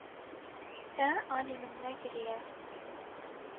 Te alî min nekiriye.